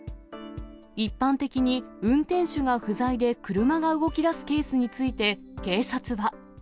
一般的に運転手が不在で車が動きだすケースについて、警察は。